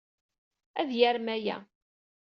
Ad yarem aya.